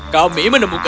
kami menemukan maya